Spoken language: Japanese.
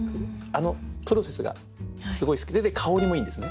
あのプロセスがすごい好きで香りもいいんですね。